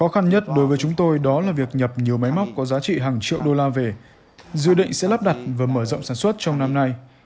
khó khăn nhất đối với chúng tôi đó là việc nhập nhiều máy móc có giá trị hàng triệu đô la về dự định sẽ lắp đặt và mở rộng sản xuất trong năm nay